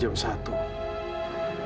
kamu belum balik juga ya